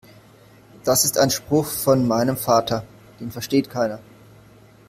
Das ist ein Spruch von meinem Vater. Den versteht keiner.